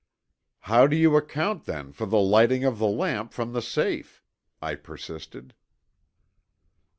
"How do you account then for the lighting of the lamp from the safe?" I persisted.